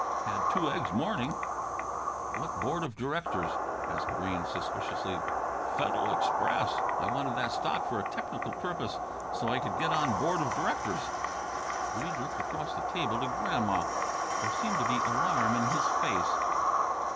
Had two eggs's morning." "What board of directors?" asked Breede suspiciously. "Fed'l Express. I wanted that stock for a technical purpose so I could get on board of directors." Breede looked across the table to Grandma. There seemed to be alarm in his face.